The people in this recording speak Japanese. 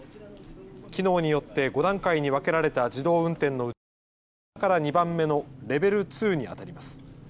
機能によって５段階に分けられた自動運転のうち、下から２番目のレベル２にあたります。